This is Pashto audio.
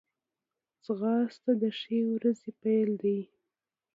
ځغاسته د ښې ورځې پیل دی